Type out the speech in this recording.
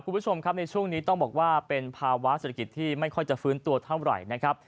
คุณผู้ชมครับในช่วงนี้ต้องบอกว่าเป็นภาวะเศรษฐกิจที่ไม่ค่อยจะฟื้นตัวเท่าไหร่นะครับ